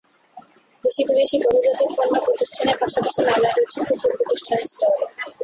দেশি বিদেশি বহুজাতিক পণ্য প্রতিষ্ঠানের পাশাপাশি মেলায় রয়েছে ক্ষুদ্র প্রতিষ্ঠানের স্টলও।